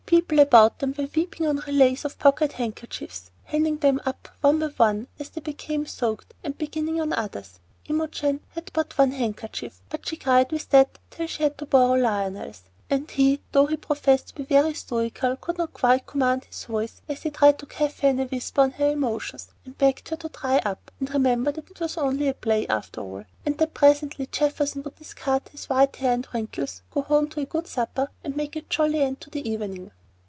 People about them were weeping on relays of pocket handkerchiefs, hanging them up one by one as they became soaked, and beginning on others. Imogen had but one handkerchief, but she cried with that till she had to borrow Lionel's; and he, though he professed to be very stoical, could not quite command his voice as he tried to chaff her in a whisper on her emotions, and begged her to "dry up" and remember that it was only a play after all, and that presently Jefferson would discard his white hair and wrinkles, go home to a good supper, and make a jolly end to the evening.